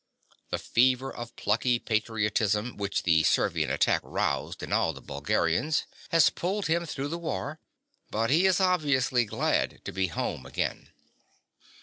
The fever of plucky patriotism which the Servian attack roused in all the Bulgarians has pulled him through the war; but he is obviously glad to be home again.